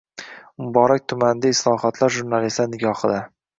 Muborak tumanidagi islohotlar jurnalistlar nigohidang